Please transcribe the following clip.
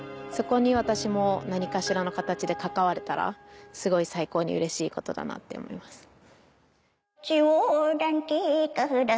そこに私も何かしらの形で関われたらすごい最高にうれしいことだなって思います。